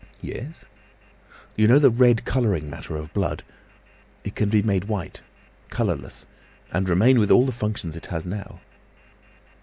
"Yes?" "You know the red colouring matter of blood; it can be made white—colourless—and remain with all the functions it has now!"